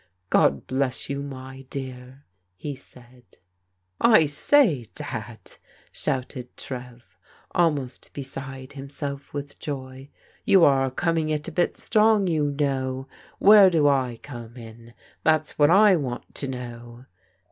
" God bless you, my dear," he said. "I say. Dad," shouted Trev, almost beside himself with joy, "you are coming it a bit strong, you know. Where do I come in ?— that's what I want to know."